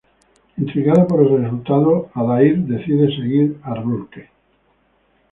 Intrigado por el resultado, Adair decide seguir a Rourke.